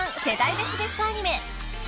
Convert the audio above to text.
世代別ベストアニメ』］